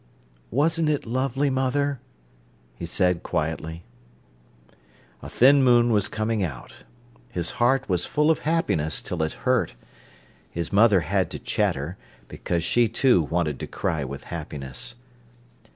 "Wasn't it lovely, mother?" he said quietly. A thin moon was coming out. His heart was full of happiness till it hurt. His mother had to chatter, because she, too, wanted to cry with happiness.